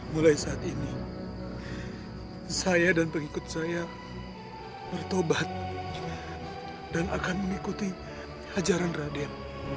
mulai saat ini saya dan pengikut saya bertobat dan akan mengikuti ajaran raden